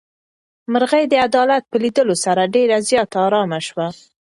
مرغۍ د عدالت په لیدلو سره ډېره زیاته ارامه شوه.